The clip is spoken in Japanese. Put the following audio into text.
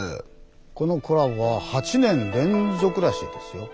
このコラボは８年連続らしいですよ。